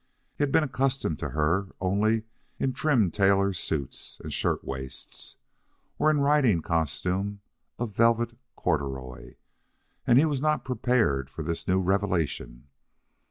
He had been accustomed to her only in trim tailor suits and shirtwaists, or in riding costume of velvet corduroy, and he was not prepared for this new revelation.